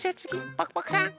パクパクさん。